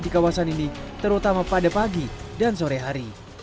di kawasan ini terutama pada pagi dan sore hari